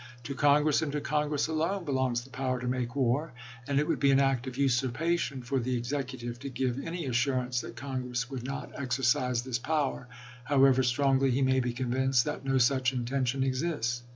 To Congress and to Congress alone belongs the power to make war, and it would be Hg*^ an act of usurpation for the Executive to give any ^ry and assurance that Congress would not exercise this ^^sei™' power, however strongly he may be convinced that i'., P'. 150. " no such intention exists."